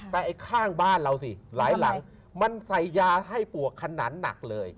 แต่ไอ้ข้างบ้านเราสิหลายหลังมันใส่ยาให้ปวกขนาดหนักเลย